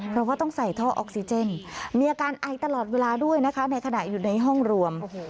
เพราะว่าต้องใส่ท่อออกซิเจนมีอาการไอตลอดเวลาด้วยนะคะในขณะอยู่ในห้องรวม